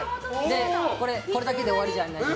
これだけで終わりじゃない。